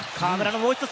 もう１つ